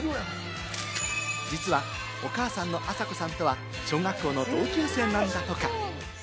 実はお母さんの朝子さんとは小学校の同級生なんだとか。